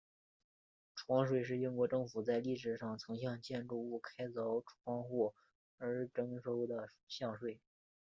窗税是英国政府在历史上曾向建筑物开凿窗户而征收的税项。